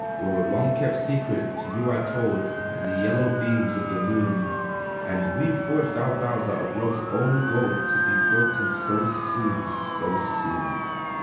Where a long kept secret to you I told, In the yellow beams of the moon, And we forged our vows out of love's own gold, To be broken so soon, so soon!